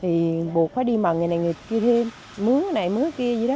thì buộc phải đi mần cái này người kia thêm mướn cái này mướn cái kia gì đó